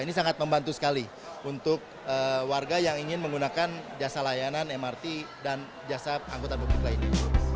ini sangat membantu sekali untuk warga yang ingin menggunakan jasa layanan mrt dan jasa angkutan publik lainnya